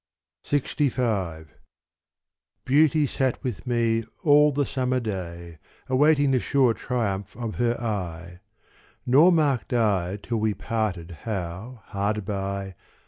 LXV Beauty sat with me all the summer day, Awaiting the sure triumph of her eye : Nor marked I till we parted how, hard by.